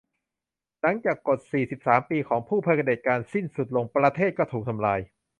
หลังจากกฎสี่สิบสามปีของผู้เผด็จการสิ้นสุดลง ประเทศก็ถูกทำลาย